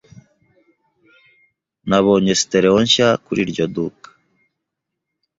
Nabonye stereo nshya kuri iryo duka.